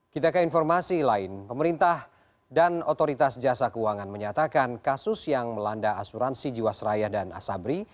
kita ke informasi lain pemerintah dan otoritas jasa keuangan menyatakan kasus yang melanda asuransi jiwasraya dan asabri